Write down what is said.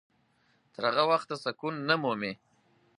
تر هغه وخته سکون نه مومي.